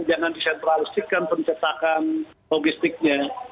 jangan disentralistikan pencetakan logistiknya